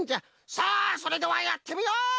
さあそれではやってみよう！